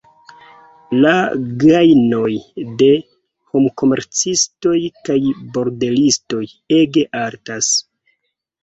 La gajnoj de homkomercistoj kaj bordelistoj ege altas.